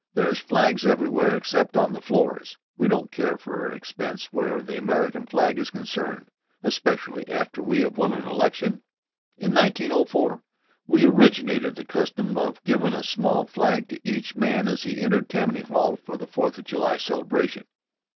There's flags everywhere except on the floors. We don't care for expense where the American flag is concerned, especially after we have won an election. In 1904 we originated the custom of givin' a small flag to each man as he entered Tammany Hall for the Fourth of July celebration.